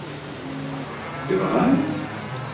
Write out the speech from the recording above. Tebɣam-t?